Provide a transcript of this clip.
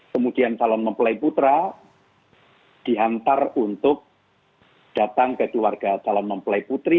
kemudian calon mempelai putra dihantar untuk datang ke keluarga calon mempelai putri